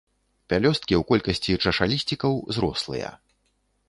Пялёсткі ў колькасці чашалісцікаў зрослыя.